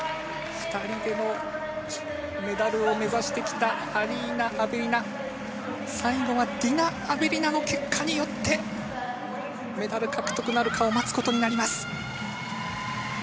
２人でのメダルを目指してきたアリーナ・アベリナ、最後はディナ・アベリナの結果によってメダル獲得なるかを待つことになります。